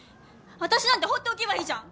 私なんて放っておけばいいじゃん！